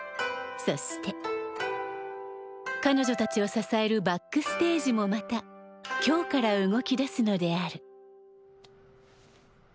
そして彼女たちを支えるバックステージもまた今日から動き出すのである。